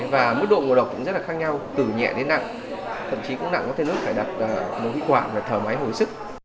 và mức độ ngộ độc cũng rất là khác nhau từ nhẹ đến nặng thậm chí cũng nặng có thể nước phải đặt một khí quạm và thở máy hồi sức